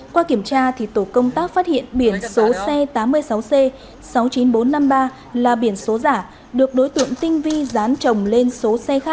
qua kiểm tra tổ công tác phát hiện biển số xe tám mươi sáu c sáu mươi chín nghìn bốn trăm năm mươi ba là biển số giả được đối tượng tinh vi dán trồng lên số xe